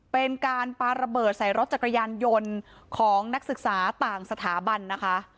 เป็นการปาระเบิดใส่รถจักรยานยนต์ของนักศึกษาต่างสถาบันนะคะ